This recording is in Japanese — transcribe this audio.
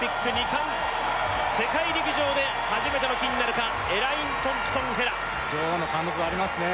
冠世界陸上で初めての金なるかエライン・トンプソンヘラ女王の貫禄ありますね